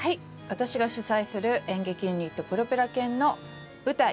私が主宰する演劇ユニットプロペラ犬の舞台